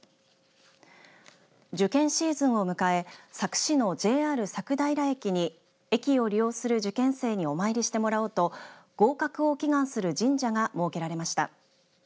受験シーズンを迎え佐久市のＪＲ佐久平駅に駅を利用する受験生にお参りしてもらおうと合格を祈願する神社が設けられました。